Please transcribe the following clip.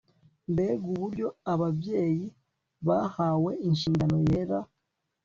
Mbega uburyo ababyeyi bahawe inshingano yera